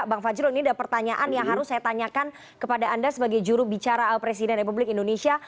bang fajrul ini ada pertanyaan yang harus saya tanyakan kepada anda sebagai jurubicara presiden republik indonesia